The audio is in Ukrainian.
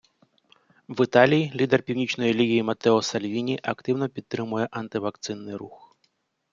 В Італії лідер Північної Ліги Матео Сальвіні активно підтримує анти-вакцинний рух.